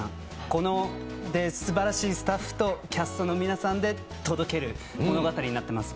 このすばらしいスタッフとキャストの皆さんで届ける物語となっています。